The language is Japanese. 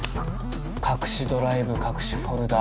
隠しドライブ隠しフォルダー